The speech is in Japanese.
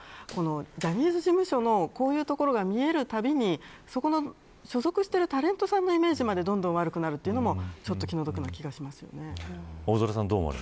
ジャニーズ事務所のこういうところが見えるたびに所属しているタレントさんのイメージまでどんどん悪くなるというのも気の毒な気がします。